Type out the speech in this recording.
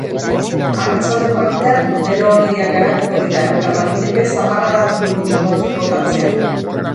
Arratsalde partean bero-hodeiak garatuko dira eta baliteke zaparrada trumoitsu batzuk botatzea.